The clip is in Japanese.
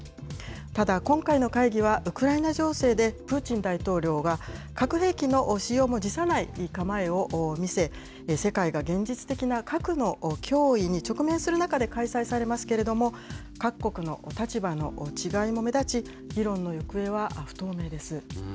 ただ、今回の会議はウクライナ情勢で、プーチン大統領が核兵器の使用も辞さない構えを見せ、世界が現実的な核の脅威に直面する中で開催されますけれども、各国の立場の違いも目立ち、議論の行方は不透明です。